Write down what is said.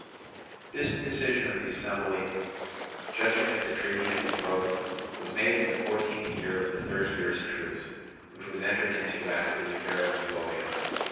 This decision of the assembly, judging that the treaty had been broken, was made in the fourteenth year of the thirty years' truce, which was entered into after the affair of Euboea.